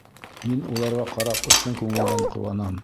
Мин уларға ҡарап ысын күңелдән ҡыуанам.